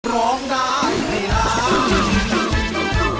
ร้องได้ให้ล้าน